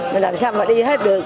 mình làm sao mà đi hết được